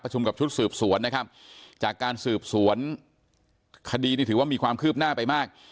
กับชุดสืบสวนนะครับจากการสืบสวนคดีนี่ถือว่ามีความคืบหน้าไปมาก